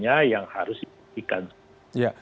yang harus diperiksa